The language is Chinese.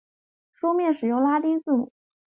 书面使用拉丁字母。